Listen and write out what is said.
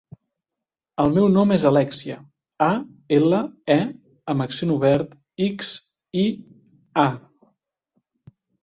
El meu nom és Alèxia: a, ela, e amb accent obert, ics, i, a.